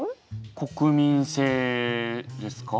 国民性ですか？